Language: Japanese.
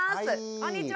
こんにちは。